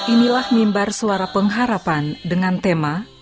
inilah mimbar suara pengharapan dengan tema